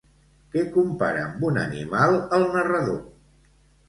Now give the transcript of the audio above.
Què compara amb un animal, el narrador?